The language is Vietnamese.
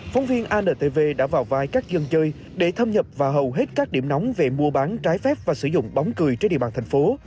phóng viên antv đã vào vai các dân chơi để thâm nhập vào hầu hết các điểm nóng về mua bán trái phép và sử dụng bóng cười trên địa bàn thành phố